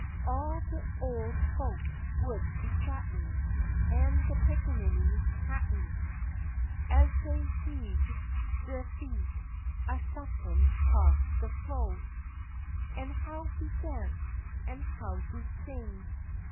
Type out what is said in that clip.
All de ole folks would be chattin', An' de pickaninnies pattin', As dey heah'd de feet a shufflin' 'cross de flo'. An' how we'd dance, an' how we'd sing!